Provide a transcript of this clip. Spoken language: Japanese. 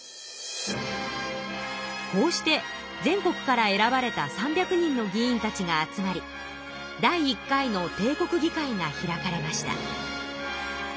こうして全国から選ばれた３００人の議員たちが集まり第１回の帝国議会が開かれました。